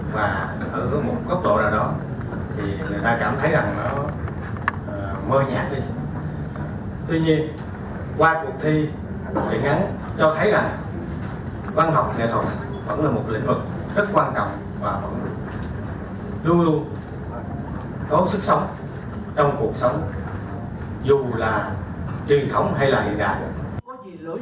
vẫn là một lĩnh vực rất quan trọng và vẫn luôn luôn có sức sống trong cuộc sống dù là truyền thống hay là hiện đại